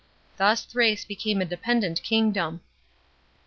Thus Thrace became a depen dent kingdom.